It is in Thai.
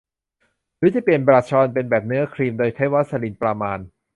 หรือจะเปลี่ยนบลัชออนเป็นแบบเนื้อครีมโดยใช้วาสลีนประมาณ